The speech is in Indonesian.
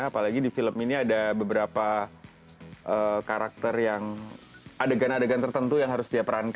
apalagi di film ini ada beberapa karakter yang adegan adegan tertentu yang harus dia peran